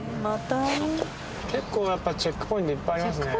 結構やっぱチェックポイントいっぱいありますね